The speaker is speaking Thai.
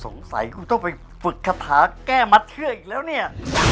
สงสัยคุณต้องไปฝึกคาถาแก้มัดเชือกอีกแล้วเนี่ย